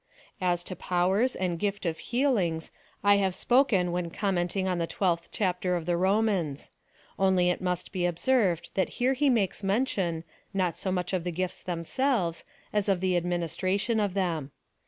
As to powers and gift of healings, I have sj)oken when commenting on the 12th Chapter of the Romans. Only it must be observed that here he makes mention, not so much of the gifts themselves, as of the administration of them.